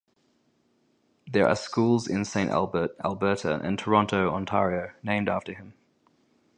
There are schools in Saint Albert, Alberta, and Toronto, Ontario, named after him.